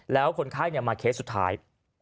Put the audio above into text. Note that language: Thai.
แล้วคนไข้มาเคสสุดท้าย